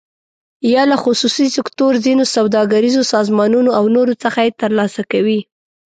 یا له خصوصي سکتور، ځینو سوداګریزو سازمانونو او نورو څخه یې تر لاسه کوي.